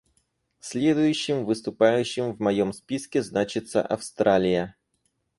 Следующим выступающим в моем списке значится Австралия.